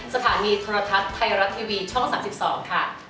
สถานีโทรทัศน์ไทยรัฐทีวีช่อง๓๒ค่ะ